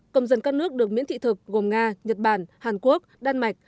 công dân các nước được miễn thị thực gồm nga nhật bản hàn quốc đan mạch